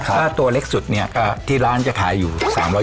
ตัวเล็กสุดที่ร้านจะขายอยู่๓๒๐